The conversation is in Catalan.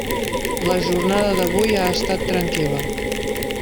La jornada d'avui ha estat tranquil·la.